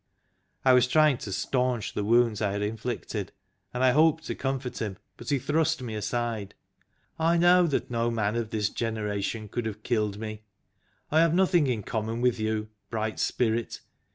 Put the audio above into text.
I was trying to staunch the wounds I had inflicted, and I hoped to comfort him, but he thrust me aside. " I know that no man of this generation could have killed me. I have nothing in common with you, bright Spirit.